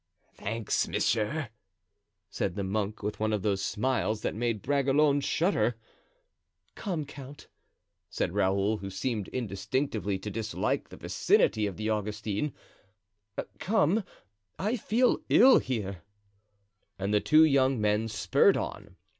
"Thanks, monsieur," said the monk, with one of those smiles that made Bragelonne shudder. "Come, count," said Raoul, who seemed instinctively to dislike the vicinity of the Augustine; "come, I feel ill here," and the two young men spurred on.